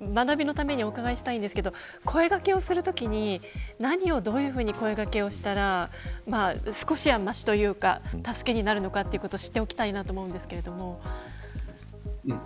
学びのためにお伺いしたいですが声掛けをするときに何をどういうふうに声掛けをしたら少しはましというか助けになるのかということを知っておきたいと思うんですが。